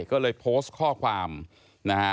ก็เลยโพสต์ข้อความนะฮะ